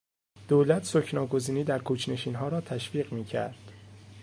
دولت سکنی گزینی در کوچ نشینها را تشویق میکرد.